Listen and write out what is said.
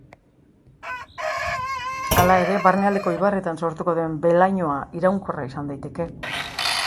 Hala ere, barnealdeko ibarretan sortuko den behe-lainoa iraunkorra izan daiteke.